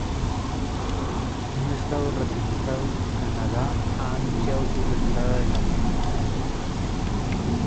Un Estado ratificado -Canadá- ha anunciado su retirada de la convención.